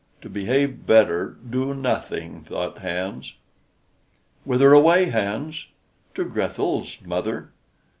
"To behave better, do nothing," thought Hans. "Whither away, Hans?" "To Grethel's, mother."